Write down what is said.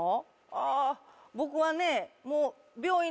ああ僕はね